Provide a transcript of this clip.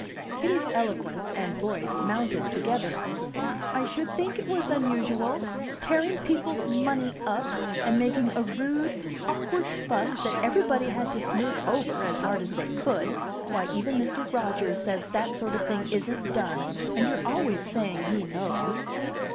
Kitty's eloquence and voice mounted together. "I should think it was unusual! Tearing people's money up, and making a rude, awkward fuss that everybody had to smooth over as hard as they could! Why, even Mr. Rodgers says that sort of thing isn't done, and you're always saying he knows."